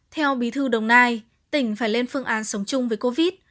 theo bí thư đồng nai tỉnh phải lên phương án sống chung với covid